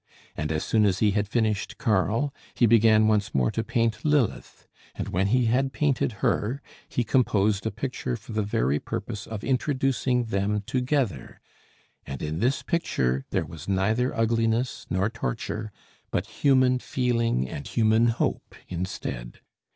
And as soon as he had finished Karl, he began once more to paint Lilith; and when he had painted her, he composed a picture for the very purpose of introducing them together; and in this picture there was neither ugliness nor torture, but human feeling and human hope instead.